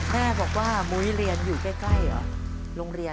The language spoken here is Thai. แม่บอกว่ามุ้ยเรียนอยู่ใกล้เหรอ